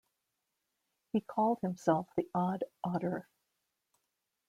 He called himself "the odd oder".